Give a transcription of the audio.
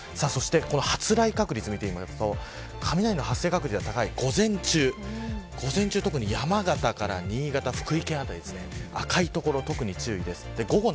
発雷確率を見てみると雷の発生確率が高い午前中午前中は特に山形から新潟福井県辺り、赤い所が特に注意が必要です。